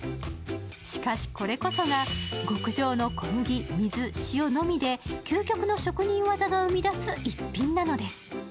しかし、これこそが極上の小麦、水、塩のみで究極の職人技が生み出す逸品なのです。